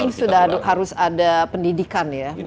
itu sudah harus ada pendidikan ya